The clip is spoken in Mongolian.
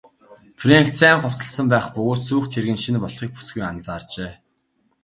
Фрэнк сайн хувцасласан байх бөгөөд сүйх тэрэг нь шинэ болохыг бүсгүй анзаарчээ.